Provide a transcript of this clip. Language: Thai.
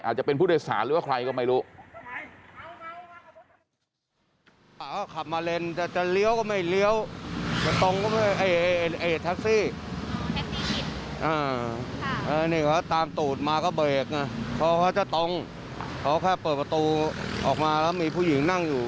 อาจจะเป็นผู้โดยสารหรือว่าใครก็ไม่รู้